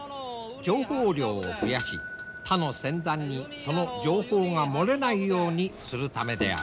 情報量を増やし他の船団にその情報が漏れないようにするためである。